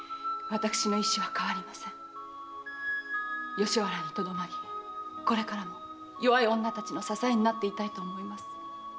吉原にとどまりこれからも弱い女たちの支えになっていたいと思います。